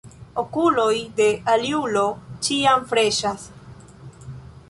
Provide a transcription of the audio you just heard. Okuloj de aliulo ĉiam freŝas.